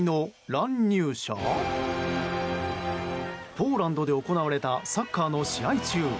ポーランドで行われたサッカーの試合中